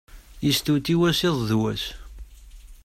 Yestewtiw-as iḍ d wass.